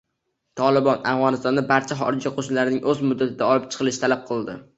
“Tolibon” Afg‘onistondan barcha xorijiy qo‘shinlarning o‘z muddatida olib chiqilishini talab qildi